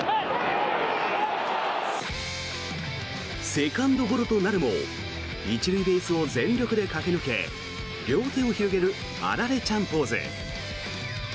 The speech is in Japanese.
セカンドゴロとなるも１塁ベースを全力で駆け抜け両手を広げるアラレちゃんポーズ。